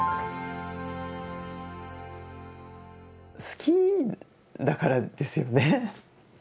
好きだからですよね。